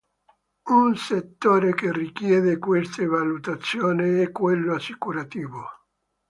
Un settore che richiede queste valutazioni è quello assicurativo.